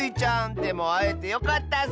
でもあえてよかったッス！